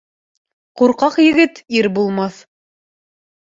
Ҡурҡаҡ егет ир булмаҫ.